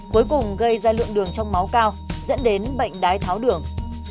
cuối cùng gây ra lượng đường trong máu cao dẫn đến bệnh đái tháo đường